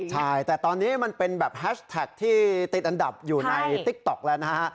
ใช่แต่ตอนนี้มันเป็นแบบแฮชแท็กที่ติดอันดับอยู่ในติ๊กต๊อกแล้วนะฮะ